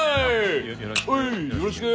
よよろしく。